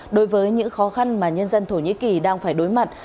đối với những khó khăn mà nhân dân thổ nhĩ kỳ đang phải đối mặt